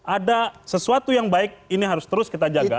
ada sesuatu yang baik ini harus terus kita jaga